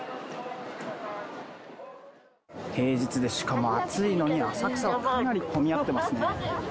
平日でしかも暑いのに、浅草はかなり混み合ってますね。